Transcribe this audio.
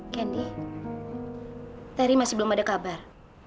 candy terry masih belum ada kabar